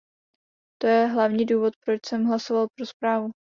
To je hlavní důvod, proč jsem hlasoval pro zprávu.